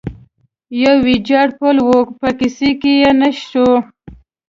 یو ویجاړ پل و، په کیسه کې یې نه شو.